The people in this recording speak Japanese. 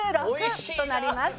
１６となります。